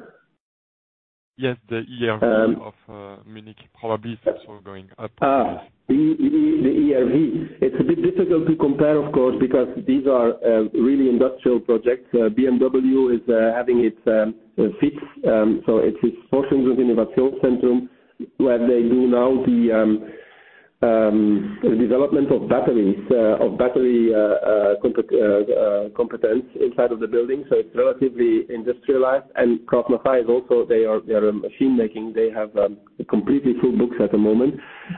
Yes, the ERV of Munich probably is also going up. The ERV. It's a bit difficult to compare, of course, because these are really industrial projects. BMW is having its FIZ. It's this FIZ, where they do now the development of batteries, of battery competence inside of the building. It's relatively industrialized. KraussMaffei is also, they are machine making. They have completely full books at the moment.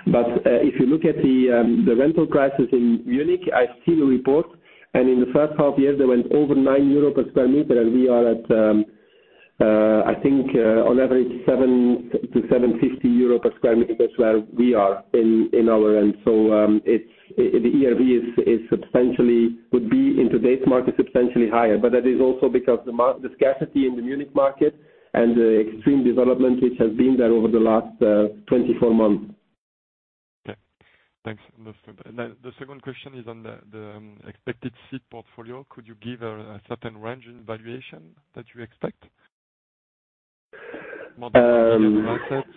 If you look at the rental prices in Munich, I've seen a report, and in the first half year, they went over 9 euro per square meter, and we are at, I think, on average, 7-7.50 euro per square meter. That's where we are in our end. It's the ERV is substantially would be in today's market substantially higher. That is also because the scarcity in the Munich market and the extreme development which has been there over the last 24 months. Okay. Thanks. Wonderful. Now the second question is on the expected seed portfolio. Could you give a certain range in valuation that you expect? More than assets.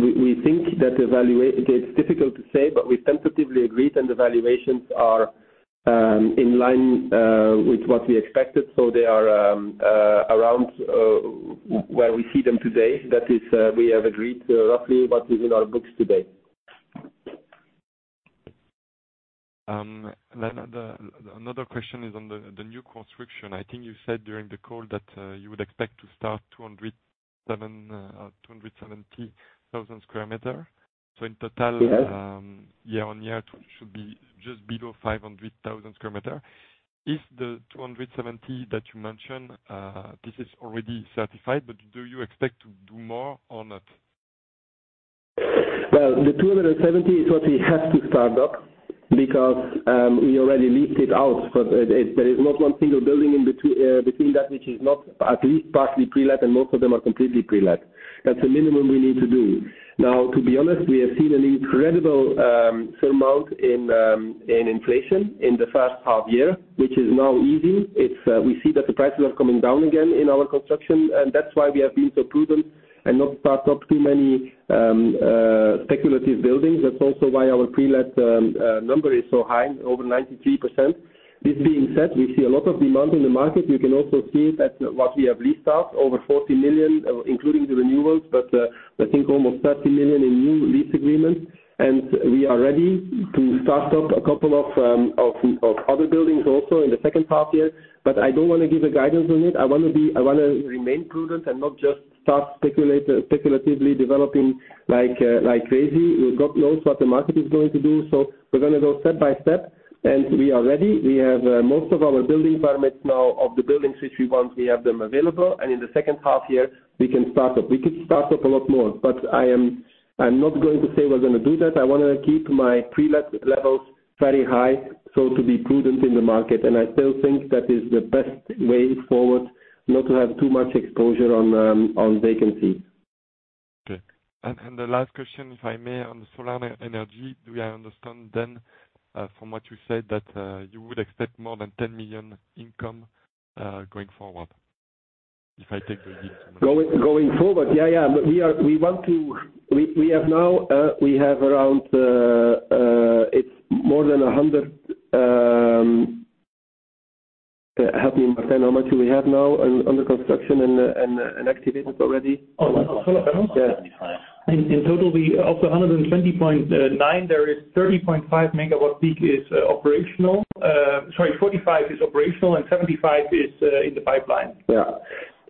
We think that it's difficult to say, but we've tentatively agreed, and the valuations are in line with what we expected, so they are around where we see them today. That is, we have agreed roughly what is in our books today. Another question is on the new construction. I think you said during the call that you would expect to start 270,000 square meters. So in total- Yeah. Year-on-year, it should be just below 500,000 sq m. Is the 270 that you mentioned, this is already certified, but do you expect to do more or not? Well, the 270 is what we have to start up because we already leased it out. There is not one single building between that which is not at least partly pre-let, and most of them are completely pre-let. That's the minimum we need to do. Now, to be honest, we have seen an incredible amount in inflation in the first half year, which is now easing. We see that the prices are coming down again in our construction, and that's why we have been so prudent and not start up too many speculative buildings. That's also why our pre-let number is so high, over 93%. This being said, we see a lot of demand in the market. You can also see that what we have leased out, over 40 million, including the renewals, but I think almost 30 million in new lease agreements. We are ready to start up a couple of other buildings also in the second half year. I don't want to give a guidance on it. I want to remain prudent and not just start speculatively developing like crazy. We don't know what the market is going to do, so we're gonna go step by step, and we are ready. We have most of our building permits now of the buildings which we want, we have them available. In the second half year, we can start up. We could start up a lot more, but I'm not going to say we're gonna do that. I wanna keep my pre-let levels very high, so to be prudent in the market. I still think that is the best way forward, not to have too much exposure on vacancy. Okay. The last question, if I may, on solar energy. Do I understand then, from what you said, that you would expect more than 10 million income, going forward, if I take the yield? Going forward? Yeah. We want to. We have now, we have around, it's more than 100, help me, Martijn, how much do we have now under construction and activated already? Oh, solar panels? Yeah. In total, of the 120.9 MWp, 45 MWp is operational and 75 MWp is in the pipeline. Yeah.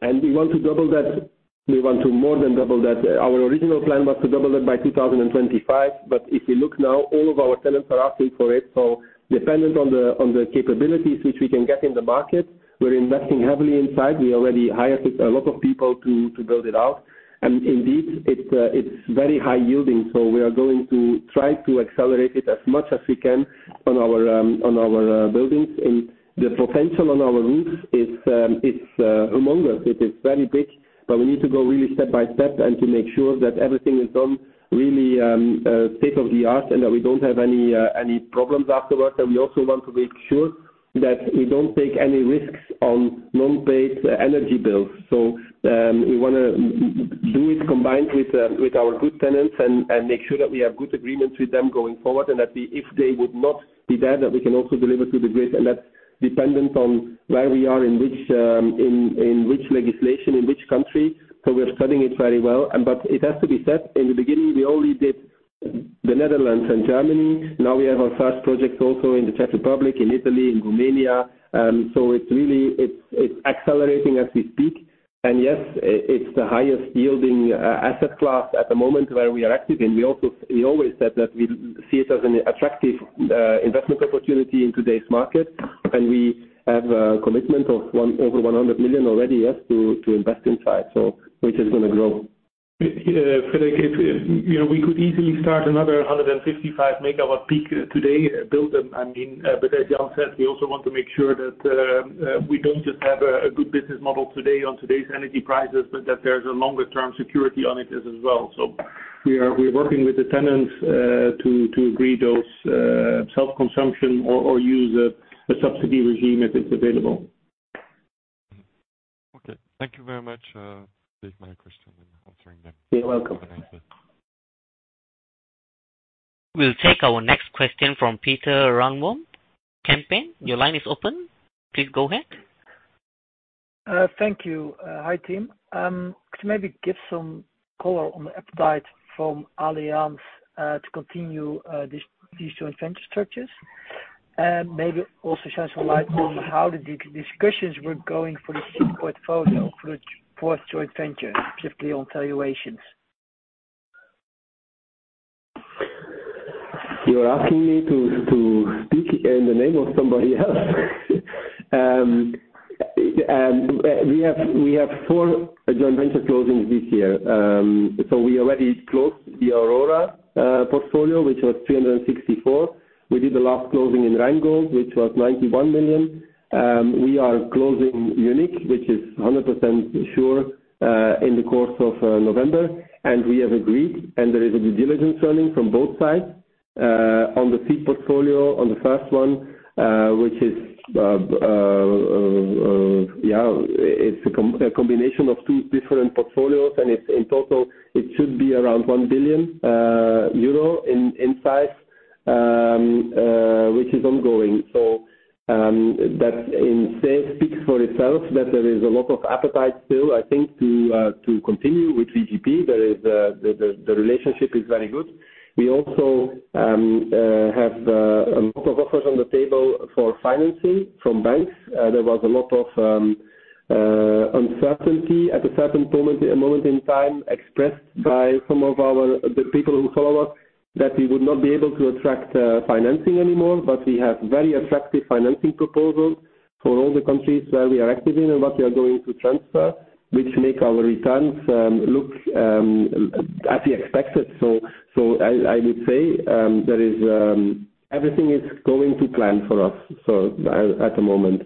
We want to double that. We want to more than double that. Our original plan was to double it by 2025. If you look now, all of our tenants are asking for it. Dependent on the capabilities which we can get in the market, we're investing heavily inside. We already hired a lot of people to build it out. Indeed, it's very high yielding. We are going to try to accelerate it as much as we can on our buildings. The potential on our roofs, it's humongous. It is very big, but we need to go really step by step and to make sure that everything is done really state of the art and that we don't have any problems afterwards. We also want to make sure that we don't take any risks on non-paid energy bills. We wanna do it combined with our good tenants and make sure that we have good agreements with them going forward and that we, if they would not be there, that we can also deliver to the grid. That's dependent on where we are, in which legislation, in which country. We are studying it very well. It has to be said, in the beginning, we only did the Netherlands and Germany. Now we have our first project also in the Czech Republic, in Italy, in Romania. It's accelerating as we speak. Yes, it's the highest yielding asset class at the moment where we are active. We always said that we see it as an attractive investment opportunity in today's market, and we have a commitment of over 100 million already, yes, to invest inside, so which is gonna grow. Frédéric, if you know, we could easily start another 155 megawatt peak today, build them, I mean, but as Jan said, we also want to make sure that we don't just have a good business model today on today's energy prices, but that there's a longer-term security on it as well. We're working with the tenants to agree those self-consumption or use a subsidy regime if it's available. Mm-hmm. Okay. Thank you very much. That's my question. Answering them. You're welcome. Have a nice day. We'll take our next question from Piet van Geet, Kempen. Your line is open. Please go ahead. Thank you. Hi, team. Could you maybe give some color on the appetite from Allianz to continue these joint venture structures? Maybe also shed some light on how the discussions were going for the seed portfolio for the fourth joint venture, particularly on valuations. You are asking me to speak in the name of somebody else. We have four joint venture closings this year. We already closed the Aurora portfolio, which was 364 million. We did the last closing in JV2, which was 91 million. We are closing Munich, which is 100% sure, in the course of November. We have agreed, and there is a due diligence running from both sides on the seed portfolio, on the first one, which is a combination of two different portfolios, and it's in total, it should be around 1 billion euro in size, which is ongoing. That in itself speaks for itself, that there is a lot of appetite still, I think, to continue with VGP. The relationship is very good. We also have a lot of offers on the table for financing from banks. There was a lot of uncertainty at a certain moment in time expressed by some of the people who follow us, that we would not be able to attract financing anymore. We have very attractive financing proposals for all the countries where we are active in and what we are going to transfer, which make our returns look as we expected. I would say there is everything is going to plan for us at the moment.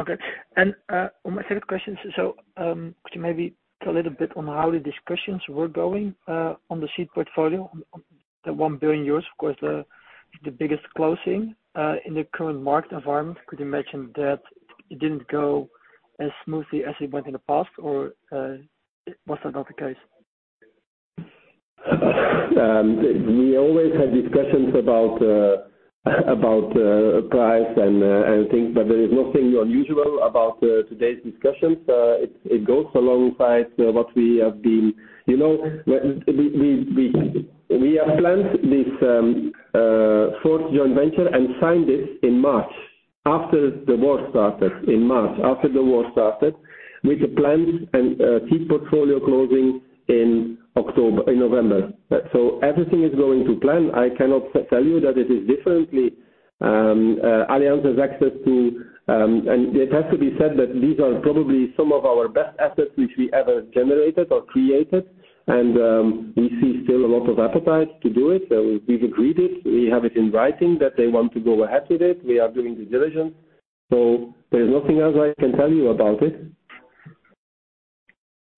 Okay. On my third question, could you maybe a little bit on how the discussions were going, on the seed portfolio, on 1 billion euros? Of course, the biggest closing, in the current market environment, could you imagine that it didn't go as smoothly as it went in the past, or was that not the case? We always have discussions about price and things, but there is nothing unusual about today's discussions. It goes alongside what we have been. You know, we have planned this fourth joint venture and signed it in March, after the war started, with the plans and seed portfolio closing in October, in November. Everything is going to plan. I cannot tell you that it is different. It has to be said that these are probably some of our best assets which we ever generated or created. We still see a lot of appetite to do it. We've agreed it, we have it in writing that they want to go ahead with it. We are doing due diligence, so there's nothing else I can tell you about it.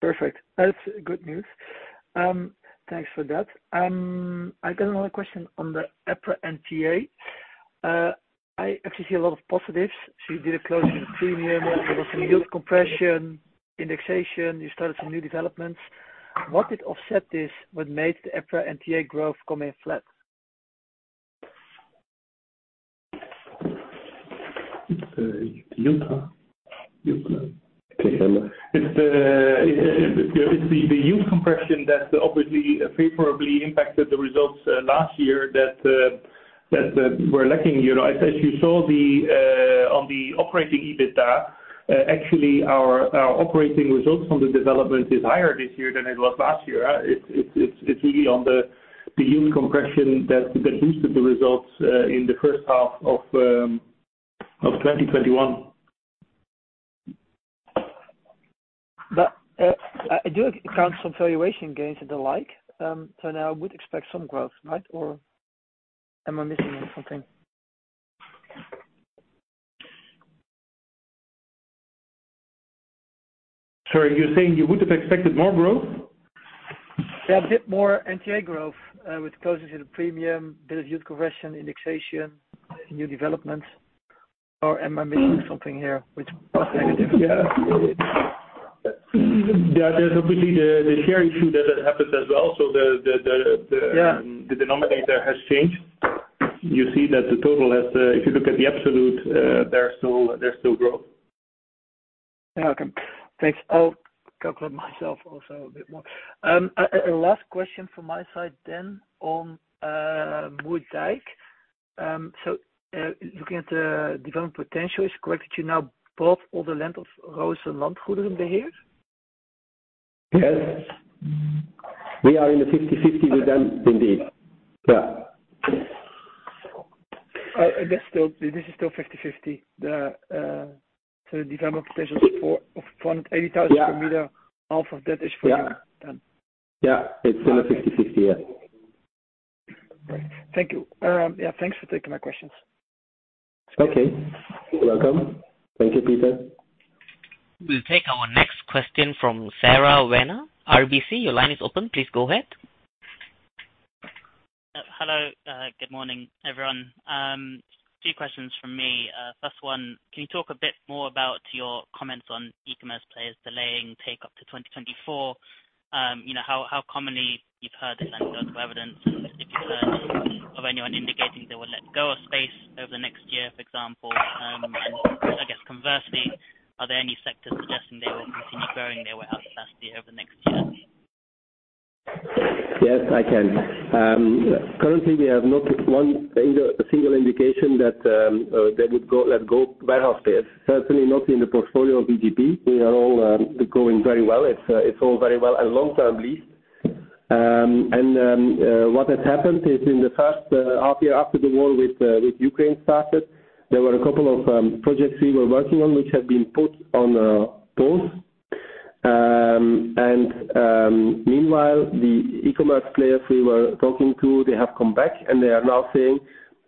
Perfect. That's good news. Thanks for that. I got another question on the EPRA NTA. I actually see a lot of positives. You did a closing premium, there was some yield compression, indexation, you started some new developments. What did offset this? What made the EPRA NTA growth come in flat? It's the yield. Okay. It's the yield compression that obviously favorably impacted the results last year that we're lacking. You know, as you saw on the operating EBITDA, actually our operating results from the development is higher this year than it was last year. It's really on the yield compression that boosted the results in the first half of 2021. I do account some valuation gains and the like, so now I would expect some growth, right? Or am I missing something? Sorry. You're saying you would have expected more growth? Yeah, a bit more NTA growth, with closings in the pipeline, bit of yield compression, indexation, new developments. Am I missing something here which was negative? Yeah. Yeah, there's obviously the share issue that happened as well. Yeah. The denominator has changed. You see that the total has, if you look at the absolute, there's still growth. You're welcome. Thanks. I'll calculate myself also a bit more. Last question from my side, then on Moerdijk. Looking at the development potential, is it correct that you now bought all the land of? Yes. We are in a 50/50 with them indeed. Yeah. This is still 50/50. The development potential is of 180,000 square meters. Yeah. Half of that is for you. Yeah. Yeah. It's still a 50/50, yeah. Great. Thank you. Yeah, thanks for taking my questions. Okay. You're welcome. Thank you, Peter. We'll take our next question from Saravana. RBC, your line is open. Please go ahead. Hello. Good morning, everyone. Two questions from me. First one, can you talk a bit more about your comments on e-commerce players delaying take up to 2024? You know, how commonly you've heard this and build of evidence, and if you've heard of anyone indicating they will let go of space over the next year, for example? And I guess conversely, are there any sectors suggesting they will continue growing their warehouse capacity over the next year? Yes, I can. Currently, we have not one single indication that they would go let go warehouse space, certainly not in the portfolio of VGP. We are all going very well. It's all very well and long-term lease. What has happened is in the first half year after the war with Ukraine started, there were a couple of projects we were working on which have been put on pause. Meanwhile, the e-commerce players we were talking to, they have come back, and they are now saying,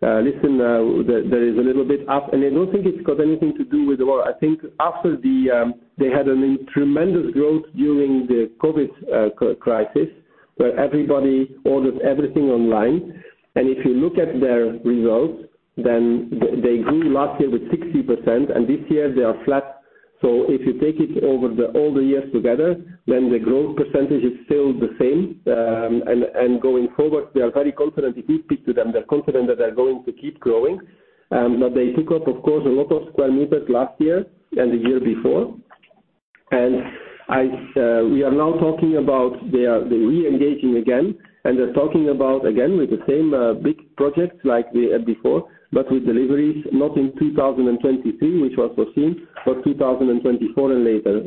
"Listen, there is a little bit up." I don't think it's got anything to do with the war. I think after the they had a tremendous growth during the COVID crisis, where everybody ordered everything online. If you look at their results, then they grew last year with 60%, and this year they are flat. If you take it over all the years together, then the growth percentage is still the same. Going forward, they are very confident. If you speak to them, they're confident that they're going to keep growing. Now they took up, of course, a lot of square meters last year and the year before. We are now talking about their. They're re-engaging again, and they're talking about again with the same big projects like we had before, but with deliveries not in 2023, which was foreseen, but 2024 and later.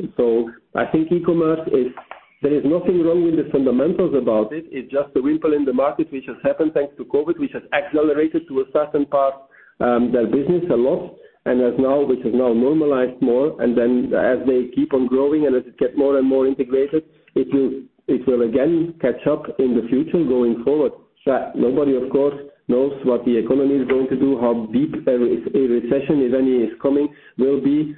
I think e-commerce is. There is nothing wrong with the fundamentals about it. It's just a ripple in the market which has happened thanks to COVID, which has accelerated to a certain part, their business a lot. Which has now normalized more, and then as they keep on growing and as it get more and more integrated, it will again catch up in the future going forward. Nobody of course knows what the economy is going to do, how deep a recession, if any is coming, will be.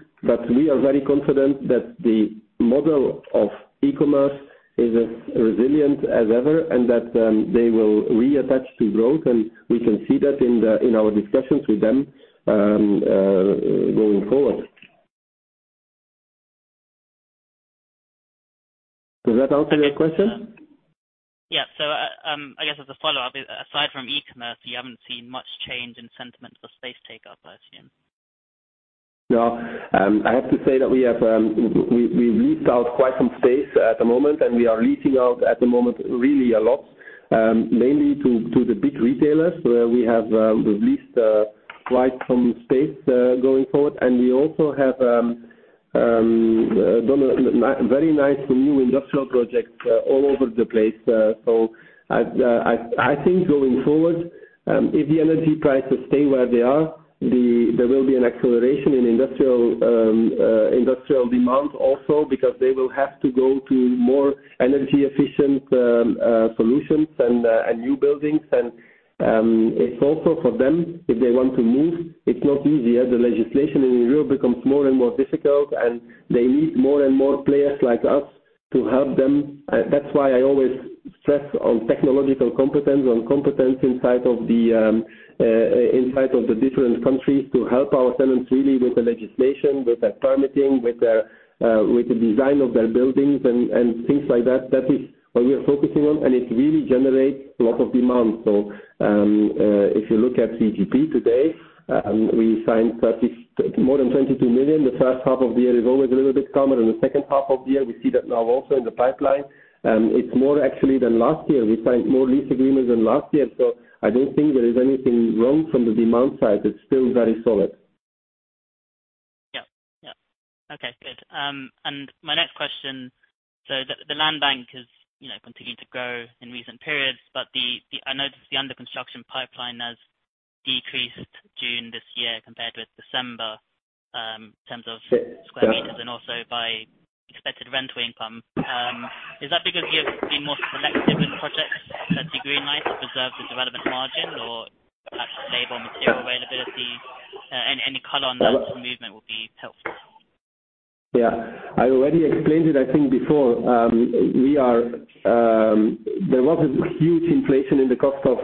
We are very confident that the model of e-commerce is as resilient as ever and that they will reattach to growth. We can see that in our discussions with them going forward. Does that answer your question? Yeah. I guess as a follow-up, aside from e-commerce, you haven't seen much change in sentiment for space take-up, I assume. No. I have to say that we've leased out quite some space at the moment, and we are leasing out at the moment really a lot, mainly to the big retailers, where we've leased quite some space going forward. We also have done a very nice new industrial projects all over the place. I think going forward, if the energy prices stay where they are, there will be an acceleration in industrial demand also because they will have to go to more energy efficient solutions and new buildings. It's also for them, if they want to move, it's not easy as the legislation in Europe becomes more and more difficult, and they need more and more players like us to help them. That's why I always stress on technological competence, on competence inside of the different countries to help our tenants really with the legislation, with their permitting, with the design of their buildings and things like that. That is what we are focusing on, and it really generates a lot of demand. If you look at VGP today, we signed more than 22 million. The first half of the year is always a little bit calmer than the second half of the year. We see that now also in the pipeline. It's more actually than last year. We signed more lease agreements than last year. I don't think there is anything wrong from the demand side. It's still very solid. Yeah. Okay, good. My next question, so the land bank is, you know, continuing to grow in recent periods. I noticed the under construction pipeline has decreased June this year compared with December in terms of square meters and also by expected rental income. Is that because you have been more selective in projects that you green light to preserve the development margin or perhaps labor material availability? Any color on that movement will be helpful. Yeah. I already explained it, I think before. There was a huge inflation in the cost price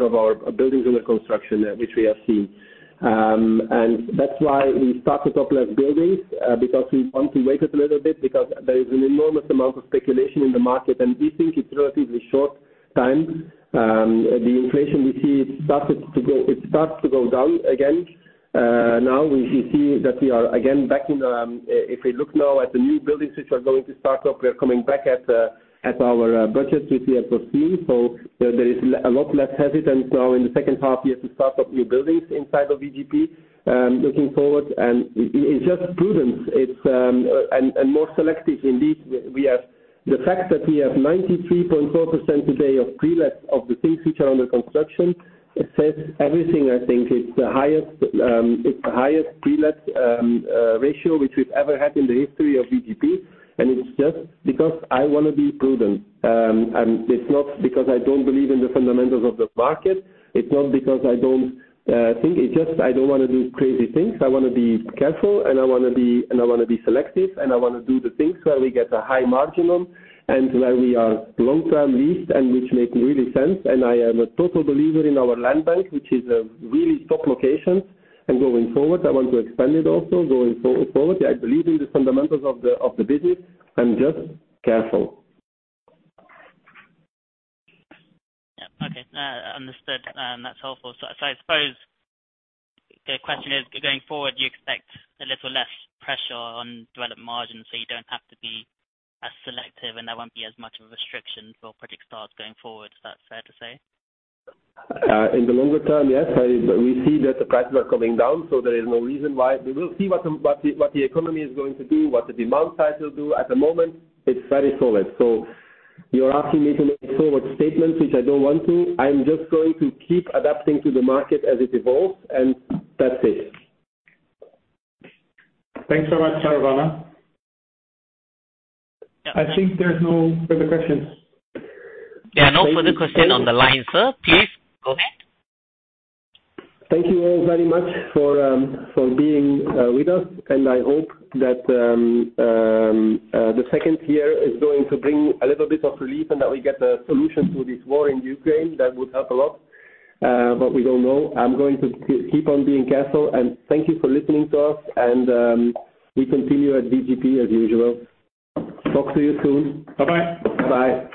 of our buildings under construction, which we have seen. That's why we stopped the topline buildings, because we want to wait a little bit because there is an enormous amount of speculation in the market, and we think it's relatively short-lived time. The inflation we see starts to go down again. Now we see that we are again back in, if we look now at the new buildings which are going to start up, we are coming back at our budget we see at full steam. There is a lot less hesitant now in the second half here to start up new buildings inside of VGP, looking forward, and it's just prudence. It's more selective indeed. The fact that we have 93.4% today of pre-let of the things which are under construction, it says everything I think. It's the highest pre-let ratio which we've ever had in the history of VGP, and it's just because I wanna be prudent. It's not because I don't believe in the fundamentals of the market. It's not because I don't think. It's just I don't wanna do crazy things. I wanna be careful and I wanna be selective and I wanna do the things where we get a high margin on and where we are long-term leased and which make really sense. I am a total believer in our land bank, which is really top locations. Going forward, I want to expand it also going forward. I believe in the fundamentals of the business. I'm just careful. Yeah. Okay. Understood. That's helpful. I suppose the question is, going forward, do you expect a little less pressure on developed margins, so you don't have to be as selective and there won't be as much of a restriction for project starts going forward? Is that fair to say? In the longer term, yes. We see that the prices are coming down, so there is no reason why. We will see what the economy is going to do, what the demand side will do. At the moment it's very solid. You're asking me to make forward statements, which I don't want to. I'm just going to keep adapting to the market as it evolves, and that's it. Thanks so much, Saravana. I think there's no further questions. There are no further questions on the line, sir. Please go ahead. Thank you all very much for being with us, and I hope that the second year is going to bring a little bit of relief and that we get a solution to this war in Ukraine. That would help a lot. But we don't know. I'm going to keep on being careful. Thank you for listening to us and we continue at VGP as usual. Talk to you soon. Bye-bye. Bye-bye.